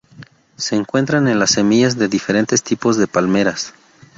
Se encuentra en las semillas de diferentes tipos de palmeras.